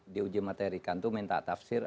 diuji materikan itu minta tafsir